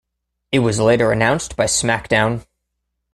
It was later announced by SmackDown!